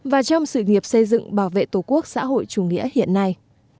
và trong sự nghiệp xây dựng bảo vệ tổ quốc xã hội chủ nghĩa hiện nay